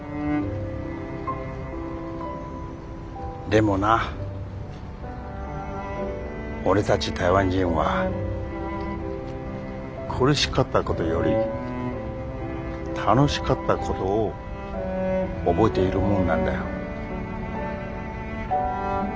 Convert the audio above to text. でもな俺たち台湾人は苦しかったことより楽しかったことを覚えているもんなんだよ。